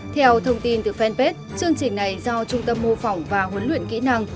theo thông tin từ fanpage chương trình này do trung tâm mô phỏng và huấn luyện kỹ năng